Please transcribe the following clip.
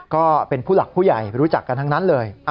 ก็เป็นผู้หลักผู้ใหญ่รู้จักกันทั้งนั้นเลย